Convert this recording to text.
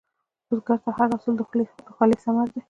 بزګر ته هر حاصل د خولې ثمره ده